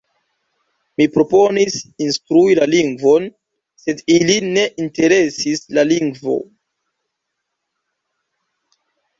Mi proponis instrui la lingvon sed ilin ne interesis la lingvo.